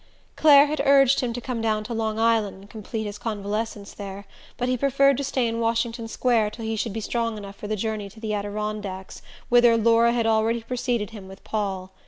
Clare had urged him to come down to Long Island and complete his convalescence there, but he preferred to stay in Washington Square till he should be strong enough for the journey to the Adirondacks, whither Laura had already preceded him with Paul.